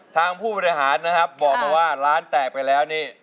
ผู้บริหารนะครับบอกมาว่าร้านแตกไปแล้วนี่